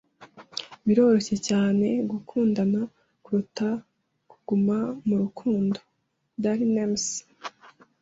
Biroroshye cyane gukundana kuruta kuguma mu rukundo. (darinmex)